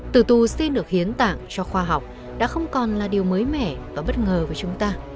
từ tù xin được hiến tạng cho khoa học đã không còn là điều mới mẻ và bất ngờ với chúng ta